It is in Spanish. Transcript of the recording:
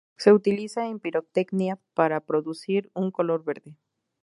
Se utiliza en pirotecnia para producir un color verde.